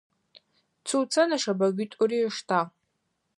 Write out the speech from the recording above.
Цуцэ нэшэбэгуитӏури ыштагъ.